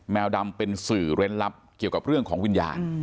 แมวดำเป็นสื่อเร้นลับเกี่ยวกับเรื่องของวิญญาณ